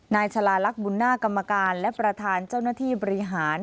นายชาลาลักษณ์บุญหน้ากรรมการและประธานเจ้าหน้าที่บริหาร